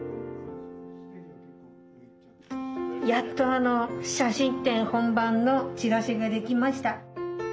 やっと写真展本番のチラシができました。